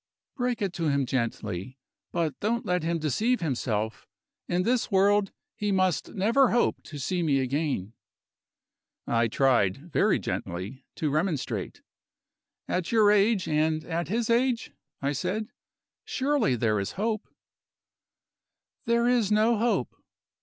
"Break it to him gently but don't let him deceive himself. In this world, he must never hope to see me again." I tried very gently to remonstrate. "At your age, and at his age," I said, "surely there is hope?" "There is no hope."